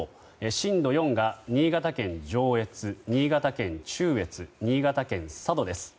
震度４が新潟県上越新潟県中越、新潟県佐渡です。